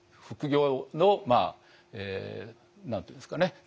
副業の何て言うんですかね